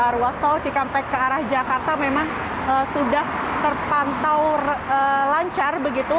ruas tol cikampek ke arah jakarta memang sudah terpantau lancar begitu